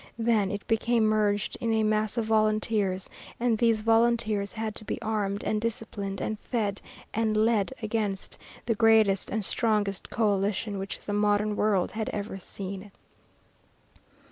Then it became merged in a mass of volunteers, and these volunteers had to be armed and disciplined and fed and led against the greatest and strongest coalition which the modern world had ever seen.